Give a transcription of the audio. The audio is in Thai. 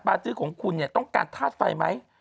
ปลาชื้อของคุณนี่ต้องการทาสไฟไหม